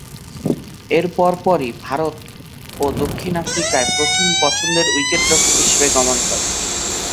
এর পরপরই ভারত ও দক্ষিণ আফ্রিকায় প্রথম পছন্দের উইকেট-রক্ষক হিসেবে গমন করেন।